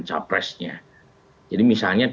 capresnya jadi misalnya